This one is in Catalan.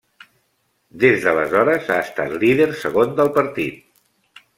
Des d'aleshores ha estat Líder Segon del partit.